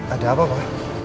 ada apa pak